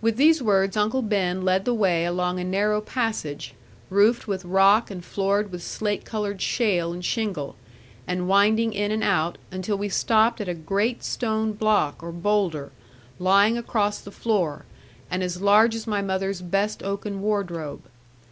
With these words, Uncle Ben led the way along a narrow passage, roofed with rock and floored with slate coloured shale and shingle, and winding in and out, until we stopped at a great stone block or boulder, lying across the floor, and as large as my mother's best oaken wardrobe.